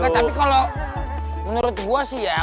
tapi kalau menurut gue sih ya